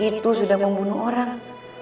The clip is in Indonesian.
itu sudah membunuh orang